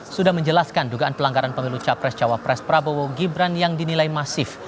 sudah menjelaskan dugaan pelanggaran pemilu capres cawapres prabowo gibran yang dinilai masif